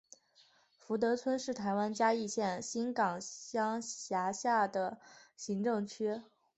福德村是台湾嘉义县新港乡辖下的行政区。